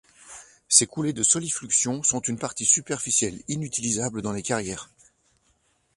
Ces coulées de solifluxion sont une partie superficielle inutilisable dans les carrières.